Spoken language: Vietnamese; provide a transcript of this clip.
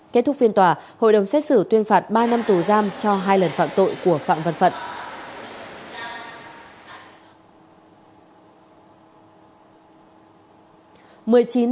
kết thúc phiên tòa hội đồng xét xử tuyên phạt ba năm tù giam cho hai lần phạm tội của phạm văn phận